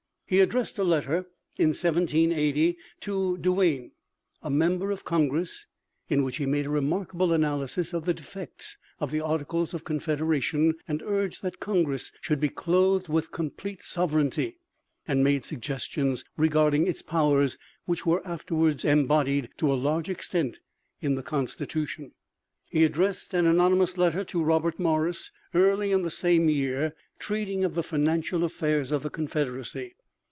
He addressed a letter in 1780 to Duane, a member of Congress, in which he made a remarkable analysis of the defects of the Articles of Confederation, urged that Congress should be clothed with complete sovereignty, and made suggestions regarding its powers which were afterwards embodied to a large extent in the Constitution. He addressed an anonymous letter to Robert Morris early in the same year, treating of the financial affairs of the confederacy.